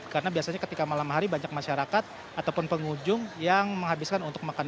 karena biasanya ketika malam hari banyak masyarakat ataupun pengunjung yang menghabiskan untuk makan